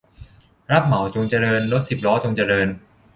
รับเหมาจงเจริญ รถสิบล้อจงเจริญ